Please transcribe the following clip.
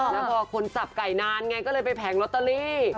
แล้วพอคนจับไก่นานไงก็เลยไปแผงลอตเตอรี่